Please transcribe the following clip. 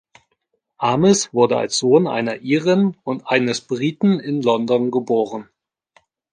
Ames wurde als Sohn einer Irin und eines Briten in London geboren.